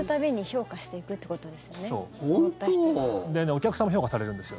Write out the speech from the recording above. お客さんも評価されるんです